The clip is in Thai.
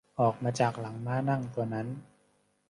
ออกมาจากหลังม้านั่งตัวนั้น